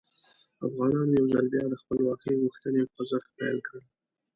افغانانو یو ځل بیا د خپلواکۍ غوښتنې خوځښت پیل کړ.